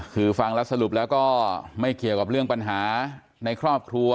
คือฟังแล้วสรุปแล้วก็ไม่เกี่ยวกับเรื่องปัญหาในครอบครัว